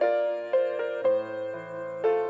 ya tinggal minum ya